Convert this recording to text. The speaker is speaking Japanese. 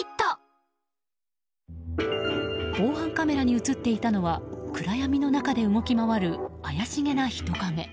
防犯カメラに映っていたのは暗闇の中で動き回る怪しげな人影。